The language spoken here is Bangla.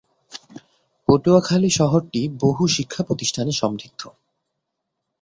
পটুয়াখালী শহরটি বহু শিক্ষাপ্রতিষ্ঠানে সমৃদ্ধ।